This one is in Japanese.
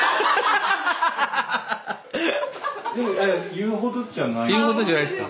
言うほどじゃないですか？